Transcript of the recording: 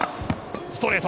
ストレート！